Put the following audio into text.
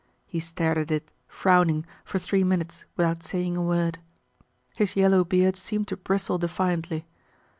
He stared at it, frowning, for three minutes without saying a word. His yellow beard seemed to bristle defiantly.